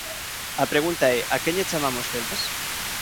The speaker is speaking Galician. A pregunta é: a que lle chamamos celtas?